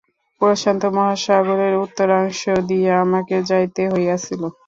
প্রশান্ত মহাসাগরের উত্তরাংশ দিয়া আমাকে যাইতে হইয়াছিল।